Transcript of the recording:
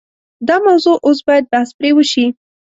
دا موضوع اوس باید بحث پرې وشي.